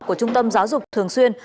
của trung tâm giáo dục thường xuyên